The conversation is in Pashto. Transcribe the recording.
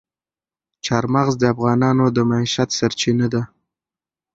چار مغز د افغانانو د معیشت سرچینه ده.